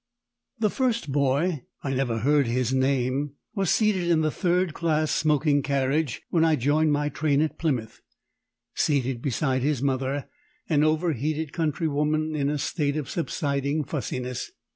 The first boy (I never heard his name) was seated in the third class smoking carriage when I joined my train at Plymouth; seated beside his mother, an over heated countrywoman in a state of subsiding fussiness.